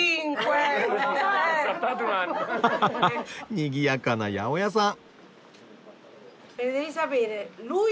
にぎやかな八百屋さん！